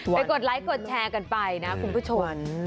กดไลค์กดแชร์กันไปนะคุณผู้ชม